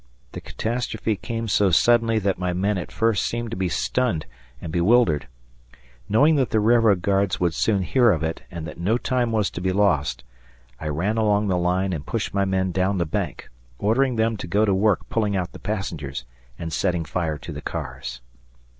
The catastrophe came so suddenly that my men at first seemed to be stunned and bewildered. Knowing that the railroad guards would soon hear of it and that no time was to be lost, I ran along the line and pushed my men down the bank, ordering them to go to work pulling out the passengers and setting fire to the cars.